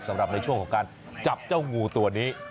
สำหรับในช่วงของการจับเจ้างูตัวนี้